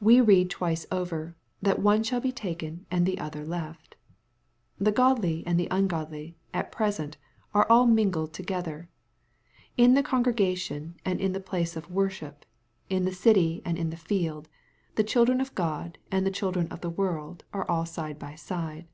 We read twice over, that " one shall be taken and the other left.'' The godly and the ungodly, at present, are all mingled together. In the congregation and in the place of wor ship — in the city and in the field — the children of God and the children of the world are all side by side.